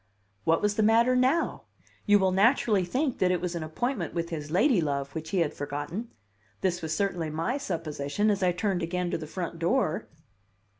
What was the matter now? You will naturally think that it was an appointment with his ladylove which he had forgotten; this was certainly my supposition as I turned again to the front door.